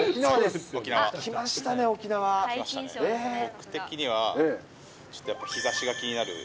僕的にはちょっとやっぱ日ざしが気になる。